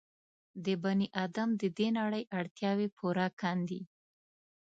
د بني ادم د دې نړۍ اړتیاوې پوره کاندي.